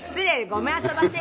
ごめんあそばせ。